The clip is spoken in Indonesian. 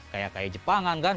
kayak jepangan kan